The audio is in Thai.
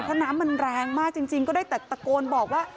เพราะน้ำมันแรงมากจริงก็ได้แต่ตะโกนบอกว่า